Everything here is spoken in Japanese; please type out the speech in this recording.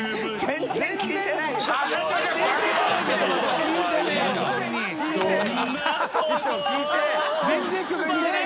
全然曲聴いてない。